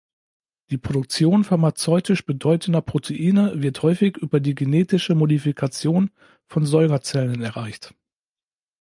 Die Produktion pharmazeutisch bedeutender Proteine wird häufig über die genetische Modifikation von Säugerzellen erreicht.